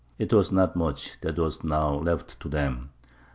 It was not much that was now left to them.